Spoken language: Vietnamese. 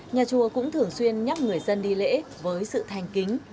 nhà chùa cũng thường xuyên nhắc người dân đi lễ với sự thành kính